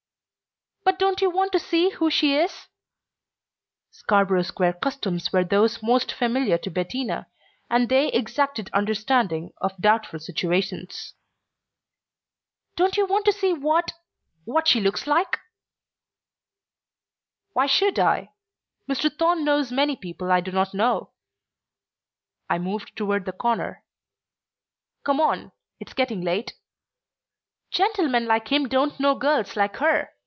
"But don't you want to see who she is?" Scarborough Square customs were those most familiar to Bettina, and they exacted understanding of doubtful situations. "Don't you want to see what what she looks like?" "Why should I? Mr. Thorne knows many people I do not know." I moved toward the corner. "Come on. It's getting late." "Gentlemen like him don't know girls like her.